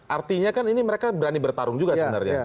artinya kan ini mereka berani bertarung juga sebenarnya